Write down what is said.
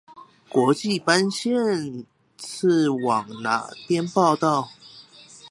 國際線班次往那邊報到